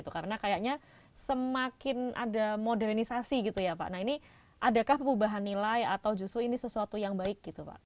karena kayaknya semakin ada modernisasi adakah perubahan nilai atau justru ini sesuatu yang baik